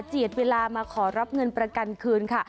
เวลามาขอรับเงินประกันคืนค่ะ